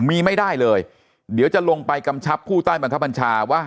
มีไม่ได้เลยเดี๋ยวจะลงไปกำชับผู้ใต้บังคับบัญชาว่า